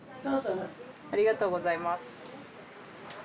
ありがとうございます。